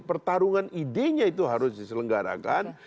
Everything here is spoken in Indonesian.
pertarungan idenya itu harus diselenggarakan